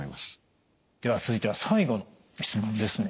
では続いては最後の質問ですね？